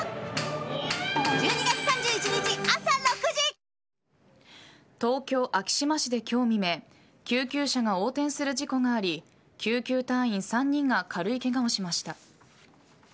警察などによりますとこの家には東京・昭島市で今日未明救急車が横転する事故があり救急隊員３人が軽いケガをしました。